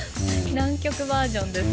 南極バージョン。